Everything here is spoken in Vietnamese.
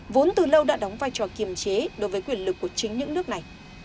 vốn từ lâu đã đóng vai trò kiềm chế đối với quyền lực của chính những nước này